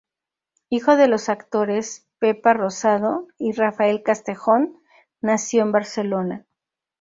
Hijo de los actores Pepa Rosado y Rafael Castejón, nació en Barcelona.